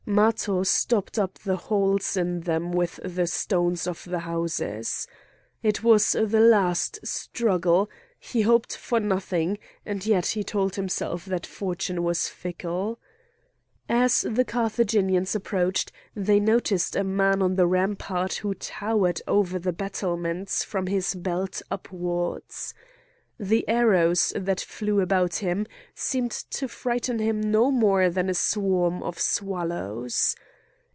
Matho stopped up the holes in them with the stones of the houses. It was the last struggle; he hoped for nothing, and yet he told himself that fortune was fickle. As the Carthaginians approached they noticed a man on the rampart who towered over the battlements from his belt upwards. The arrows that flew about him seemed to frighten him no more than a swarm of swallows.